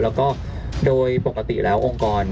แล้วก็โดยปกติแล้วองค์กร